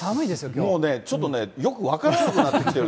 もうね、ちょっとね、よく分からなくなってきてる。